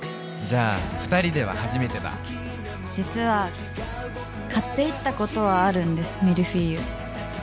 じゃあ二人では初めてだ実は買っていったことはあるんですミルフィーユ